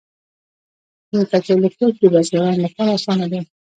د کچالو کښت د بزګرانو لپاره اسانه دی.